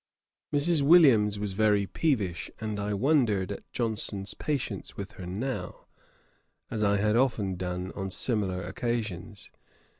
Mrs. Williams was very peevish; and I wondered at Johnson's patience with her now, as I had often done on similar occasions.